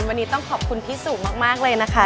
วันนี้ต้องขอบคุณพี่สุมากเลยนะคะ